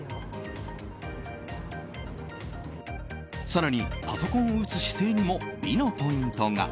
更に、パソコンを打つ姿勢にも美のポイントが。